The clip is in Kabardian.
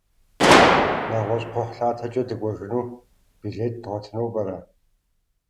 НэгъуэщӀ кхъухьлъатэкӏэ дыкӏуэжыну билет дгъуэтыну пӏэрэ?